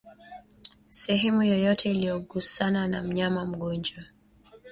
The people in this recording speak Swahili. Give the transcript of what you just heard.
sehemu yoyote iliyogusana na mnyama mgonjwa